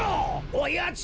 おやつ。